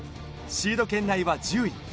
シード圏内は１０位。